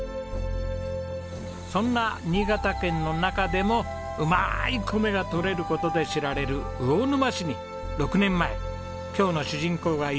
そんな新潟県の中でもうまい米が取れる事で知られる魚沼市に６年前今日の主人公が移住してきました。